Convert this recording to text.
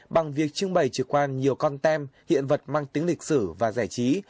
bằng việc trưng bày trực quan nhiều con tem hiện vật mang tính lịch sử và giải trí